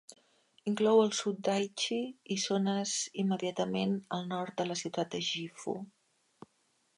Inclou el sud d'Aichi i zones immediatament al nord de la ciutat de Gifu.